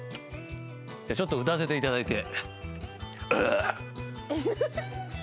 ちょっと歌わせていただいて。